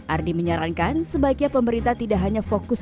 ardi menyarankan sebaiknya pemerintah tidak hanya fokus